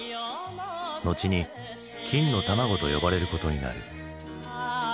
後に金の卵と呼ばれることになる。